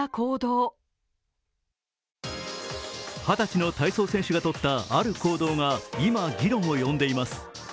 二十歳の体操選手がとったある行動が、今、議論を呼んでいます。